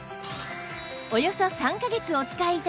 およそ３カ月お使い頂ける